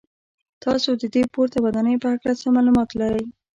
تاسو د دې پورته ودانۍ په هکله څه معلومات لرئ.